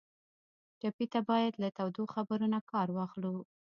ټپي ته باید له تودو خبرو نه کار واخلو.